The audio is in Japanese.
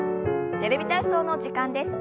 「テレビ体操」の時間です。